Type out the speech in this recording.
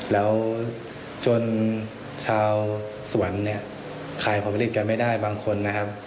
แล้วจนชาวสวนเนี่ยขายผลผลิตกันไม่ได้บางคนนะครับ